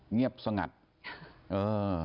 เงียบสงัดเออ